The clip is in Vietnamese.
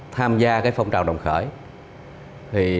tham gia phong trào đồng khởi